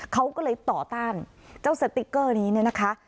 เขาก็เลยต่อต้านเจ้าสติ๊กเกอร์นี้เนี่ยนะคะ